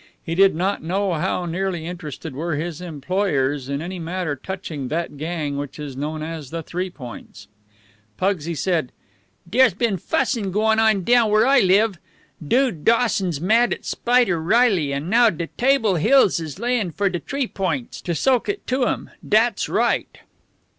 He did not know how nearly interested were his employers in any matter touching that gang which is known as the Three Points. Pugsy said: "Dere's been fuss'n going on down where I live. Dude Dawson's mad at Spider Reilly, and now de Table Hills is layin' for de T'ree Points, to soak it to 'em. Dat's right."